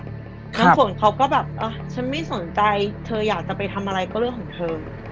น้ำฝนเขาก็แบบฉันไม่สนใจเธออยากจะไปทำอะไรก็เรื่องของเธอ